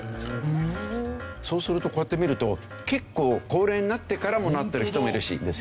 そうするとこうやって見ると結構高齢になってからもなってる人もいるしですよね。